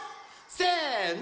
せの！